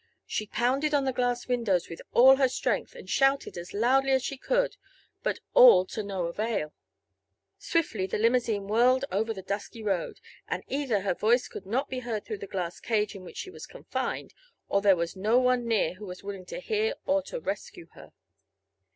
She pounded on the glass windows with all her strength, and shouted as loudly as she could, but all to no avail. Swiftly the limousine whirled over the dusky road and either her voice could not be heard through the glass cage in which she was confined or there was no one near who was willing to hear or to rescue her.